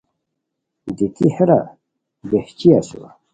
دیتی ہیرا بہچی اسور